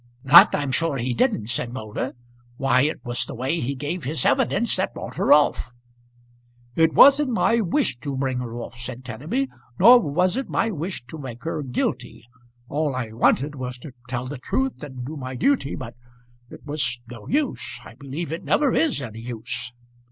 "That I'm sure he didn't," said Moulder. "Why it was the way he gave his evidence that brought her off." "It wasn't my wish to bring her off," said Kenneby; "nor was it my wish to make her guilty. All I wanted was to tell the truth and do my duty. But it was no use. I believe it never is any use."